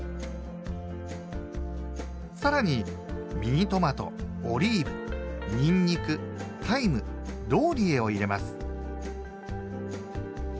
さらにミニトマトオリーブにんにくタイムローリエを入れます。